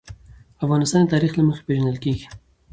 افغانستان د تاریخ له مخې پېژندل کېږي.